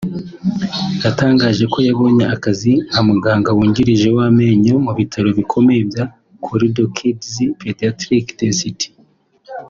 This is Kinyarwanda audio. yatangaje ko yabonye akazi nka muganga wungirije w’amenyo mu bitaro bikomeye bya Corridor Kids Pediatric Dentistry